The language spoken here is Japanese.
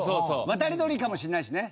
渡り鳥かもしれないしね。